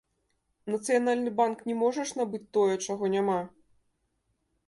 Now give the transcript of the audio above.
Нацыянальны банк не можа ж набыць тое, чаго няма!